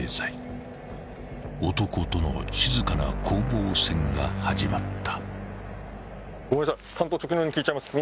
［男との静かな攻防戦が始まった］